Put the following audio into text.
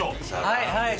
はいはい。